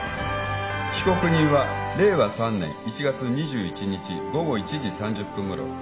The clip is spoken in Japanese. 被告人は令和３年１月２１日午後１時３０分ごろ。